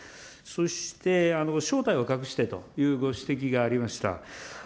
そして正体は隠してというご指摘がありました。